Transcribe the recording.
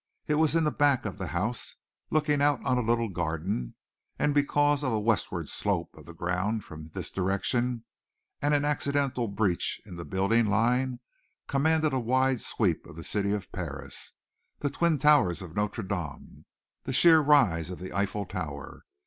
It was in the back of the house, looking out on a little garden, and because of a westward slope of the ground from this direction and an accidental breach in the building line, commanded a wide sweep of the city of Paris, the twin towers of Notre Dame, the sheer rise of the Eiffel tower.